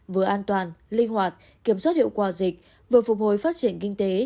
vừa an toàn linh hoạt kiểm soát hiệu quả dịch vừa phục hồi phát triển kinh tế